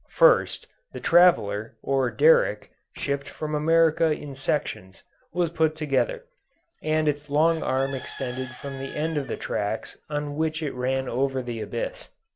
First, the traveller, or derrick, shipped from America in sections, was put together, and its long arm extended from the end of the tracks on which it ran over the abyss.